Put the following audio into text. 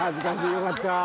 よかった。